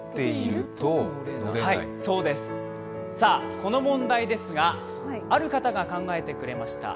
この問題ですが、ある方が考えてくれました。